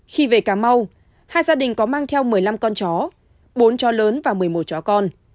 khi về cà mau hai gia đình có mang theo một mươi năm con chó bốn chó lớn và một mươi một chó con